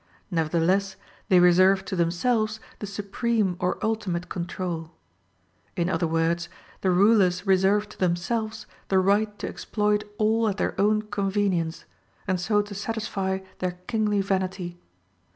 Nevertheless they reserved to themselves the supreme or ultimate control. In other words, the rulers reserved to themselves the right to exploit all at their own convenience, and so to satisfy their kingly vanity.